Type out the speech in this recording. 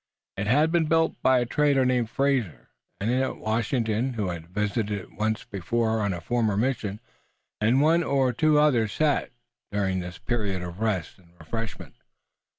It had been built by a trader named Fraser and in it Washington, who had visited it once before on a former mission, and one or two others sat, during the period of rest and refreshment.